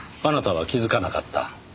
あなたは気づかなかった。